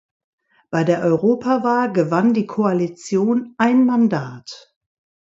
Bei der Europawahl gewann die Koalition ein Mandat.